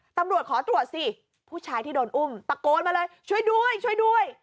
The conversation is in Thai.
ตำรวจขอตรวจสิผู้ชายที่โดนอุ้มตะโกนมาเลยช่วยด้วยช่วยด้วย